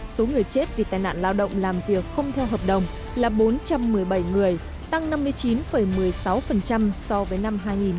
số người chết vì tai nạn lao động làm việc không theo hợp đồng là bốn trăm một mươi bảy người tăng năm mươi chín một mươi sáu so với năm hai nghìn một mươi bảy